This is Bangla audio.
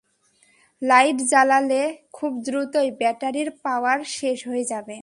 লাইট জ্বালালে খুব দ্রুতই ব্যাটারির পাওয়ার শেষ হয়ে যাবে।